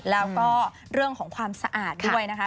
แล้วก็เรื่องของความสะอาดด้วยนะคะ